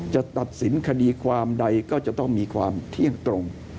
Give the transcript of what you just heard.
จะตัดสินคดีความใดก็จะต้องมีความเที่ยงตรง